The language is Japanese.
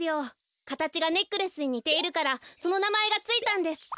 かたちがネックレスににているからそのなまえがついたんです。